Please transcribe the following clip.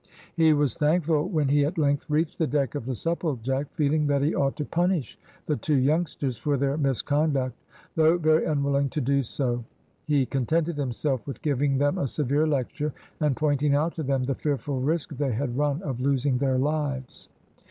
He was thankful when he at length reached the deck of the Supplejack, feeling that he ought to punish the two youngsters for their misconduct, though very unwilling to do so. He contented himself with giving them a severe lecture, and pointing out to them the fearful risk they had run of losing their lives.